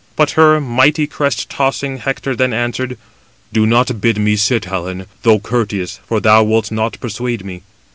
But her mighty crest tossing Hector then answered: "Do not bid me sit, Helen, though courteous, for thou wilt not persuade me.